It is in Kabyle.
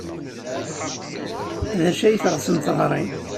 D acu ay teɣsemt ɣer-i?